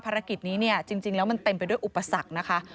ภารกิจนี้เนี่ยจริงแล้วมันเต็มไปด้วยอุปสรรคนะคะ